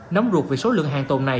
nóng ruột vì số lượng hàng tồn này